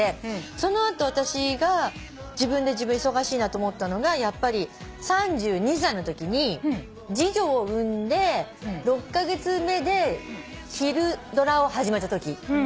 その後私が自分で自分忙しいなと思ったのがやっぱり３２歳のときに次女を産んで６カ月目で昼ドラを始めたとき。